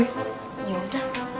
eh tunggu tunggu